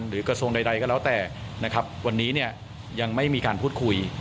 หรือกระทรวงใดก็แล้วแต่วันนี้ยังไม่มีการพูดคุย